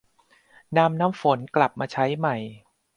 นำน้ำฝนกลับมาใช้ใหม่